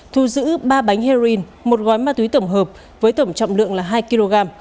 thu giữ ba bánh heroin một gói ma túy tổng hợp với tổng trọng lượng là hai kg